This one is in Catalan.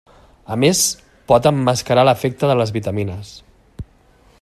A més pot emmascarar l'efecte de les vitamines.